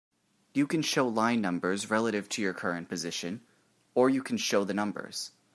You can show line numbers relative to your current position, or you can show the numbers.